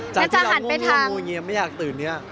จากที่เราง่วงอย่างงี้ไม่อยากตื่นอย่างนี้